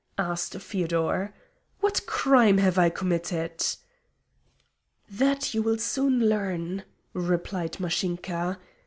asked Feodor. "What crime have I committed?" "That you will soon learn," replied Mashinka.